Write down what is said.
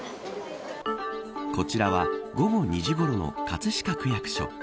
こちらは、午後２時ごろの葛飾区役所。